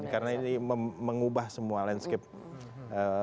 karena ini mengubah semua landscape